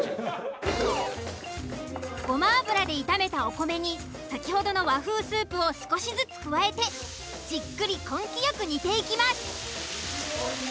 ゴマ油で炒めたお米に先ほどの和風スープを少しずつ加えてじっくり根気よく煮ていきます。